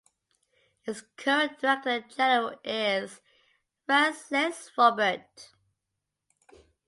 Its current director-general is Francesc Robert.